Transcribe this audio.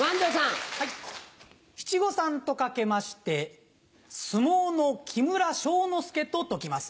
七五三と掛けまして相撲の木村庄之助と解きます。